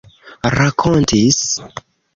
rakontis